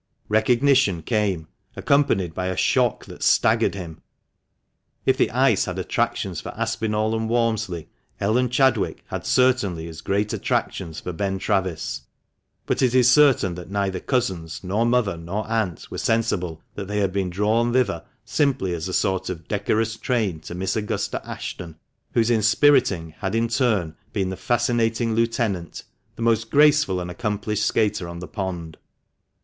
Recognition came, accompanied by a shock that staggered him. If the ice had attractions for Aspinall and Walmsley, Ellen Chadwick had certainly as great attractions for Ben Travis ; but it is certain that neither cousins, nor mother, nor aunt were sensible that they had been drawn thither simply as a sort of decorous train to Miss Augusta Ashton, whose inspiriting had in turn been the fascinating lieutenant, the most graceful and accomplished skater on the pond.